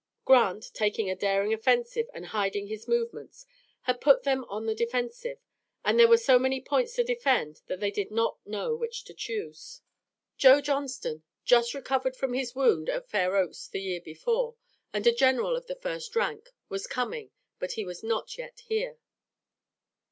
Grant, taking a daring offensive and hiding his movements, had put them on the defensive, and there were so many points to defend that they did not know which to choose. Joe Johnston, just recovered from his wound at Fair Oaks the year before, and a general of the first rank, was coming, but he was not yet here.